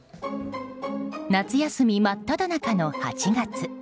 夏休み真っただ中の８月。